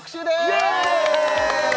イエーイ！